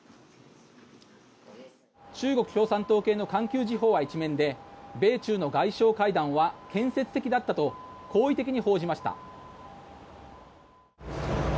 中国共産党系の環球時報は１面で米中の外相会談は建設的だったと好意的に報じました。